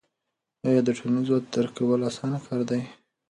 آیا د ټولنیز وضعیت درک کول اسانه کار دی؟